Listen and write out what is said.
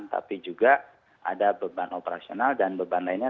tapi juga ada beban operasional dan beban lainnya